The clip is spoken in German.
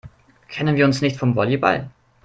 Kennen wir uns nicht vom Volleyball?